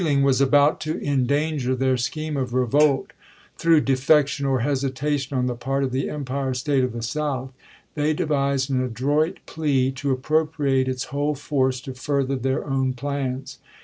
ing was about to endanger their scheme of revolt, through defection or hesitation on the part of the Empire State of the South, they devised an adroit plea to appropriate its whole force to further their own plans.